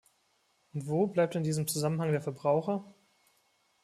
Und wo bleibt in diesem Zusammenhang der Verbraucher?